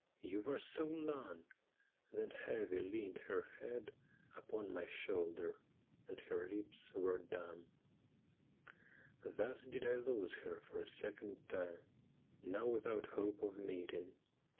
You were so long I ' then heavy leaned her head Upon my shoulder, and her lips were dumb. Thus did I lose her for a second time, Now without hope of meeting.